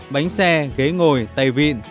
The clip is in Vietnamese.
bánh xe ghế ngồi tay vịn